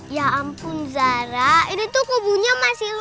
ya ampun zara ini tuh kubunya masih luas